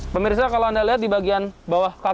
pemirsa kalau anda lihat di bagian bawah kaki